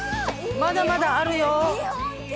まだまだあるよ！